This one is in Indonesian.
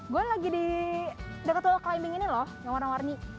gue lagi di dekat low climbing ini loh yang warna warni